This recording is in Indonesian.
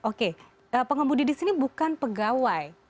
oke pengemudi di sini bukan pegawai